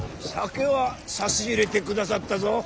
酒は差し入れてくださったぞ。